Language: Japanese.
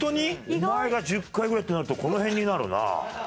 お前が１０回ぐらいってなるとこの辺になるな。